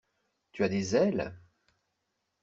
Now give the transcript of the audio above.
Tu as des ailes!